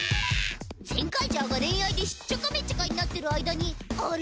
ゼンカイジャーが恋愛でしっちゃかめっちゃかになってる間にあれ！？